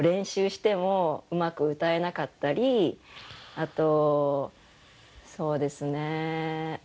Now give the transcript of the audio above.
あとそうですね。